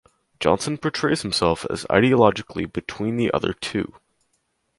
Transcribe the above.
Johnson portrays himself as ideologically between the other two.